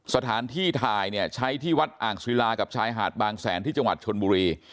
สถานที่ถ่ายเนี่ยใช้ที่วัดอ่างศิลากับชายหาดบางแสนที่จังหวัดชนบุรี